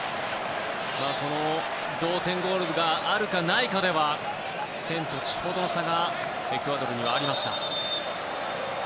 この同点ゴールがあるかないかでは天と地ほどの差がエクアドルにはありました。